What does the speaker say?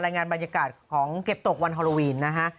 งานบรรยากาศของเก็บตกวันฮอโลวีนนะฮะ